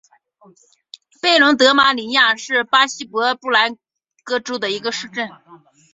贝伦德马里亚是巴西伯南布哥州的一个市镇。